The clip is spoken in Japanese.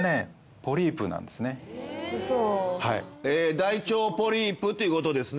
大腸ポリープっていうことですね。